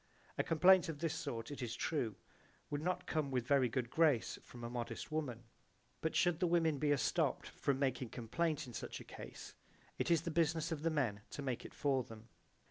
A complaint of this sort, it is true, would not come with a very good grace from a modest woman; but should the women be estopped from making complaint in such a case it is the business of the men to make it for them.